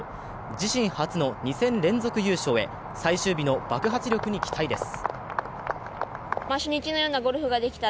自身初の２戦連続優勝へ、最終日の爆発力に期待です。